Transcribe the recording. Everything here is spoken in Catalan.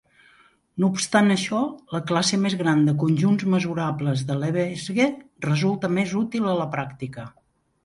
No obstant això, la classe més gran de conjunts mesurables de Lebesgue resulta més útil a la pràctica.